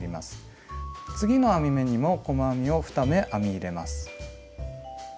次の編み目にも細編みを２目編み入れます。